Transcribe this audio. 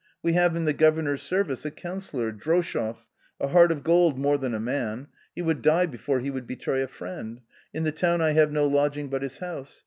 We have in the governor's service a councillor, Droshoff, a heart of gold more than a man ; he would die before he would betray a friend ; in the town I have no lodging but his house.